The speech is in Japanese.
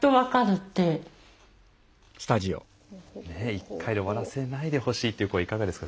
「１回で終わらせないでほしい」っていう声いかがですか？